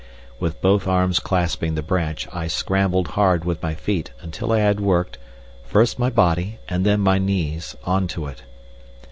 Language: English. With both arms clasping the branch, I scrambled hard with my feet until I had worked, first my body, and then my knees, onto it.